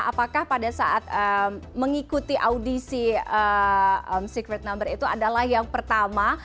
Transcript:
apakah pada saat mengikuti audisi secret number itu adalah yang pertama